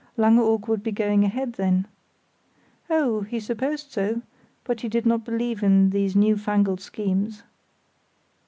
"Langeoog would be going ahead then?" "Oh! he supposed so, but he did not believe in these new fangled schemes."